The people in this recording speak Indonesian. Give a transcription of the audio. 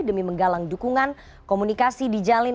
demi menggalang dukungan komunikasi di jalin